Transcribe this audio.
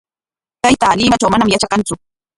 Taytaa Limatraw manam yatrakantsu.